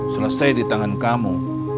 selesai di tangan kamu